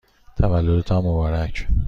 تولدتان مبارک!